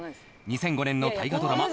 ２００５年の大河ドラマ